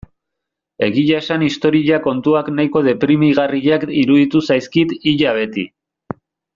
Egia esan historia kontuak nahiko deprimigarriak iruditu zaizkit ia beti.